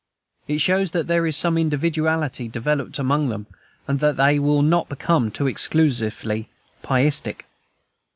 It shows that there is some individuality developed among them, and that they will not become too exclusively pietistic.